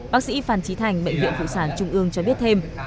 bác sĩ phan trí thành bệnh viện phụ sản trung ương cho biết thêm